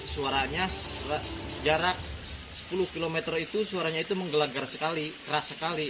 suaranya jarak sepuluh km itu suaranya itu menggelagar sekali keras sekali